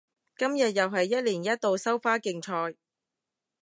今日又係一年一度收花競賽